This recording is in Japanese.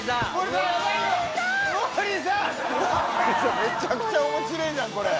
めちゃくちゃ面白えじゃんこれ。